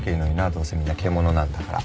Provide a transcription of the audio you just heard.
どうせみんな獣なんだから。